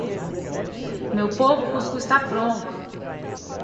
meu povo, o cuscuz tá pronto!